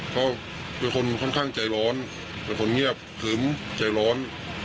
เขาเป็นคนค่อนข้างใจร้อนเป็นคนเงียบขึ้มใจร้อน